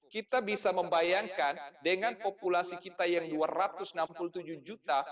kita bisa membayangkan dengan populasi kita yang dua ratus enam puluh tujuh juta